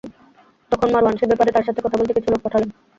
তখন মারওয়ান সে ব্যাপারে তার সাথে কথা বলতে কিছু লোক পাঠালেন।